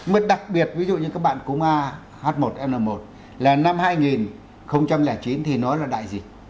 mà đặc biệt ví dụ như các bạn cúm a h một n một là năm hai nghìn chín thì nói là đại dịch